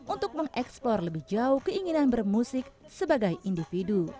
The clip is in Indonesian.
untuk mengeksplor lebih jauh keinginan bermusik sebagai individu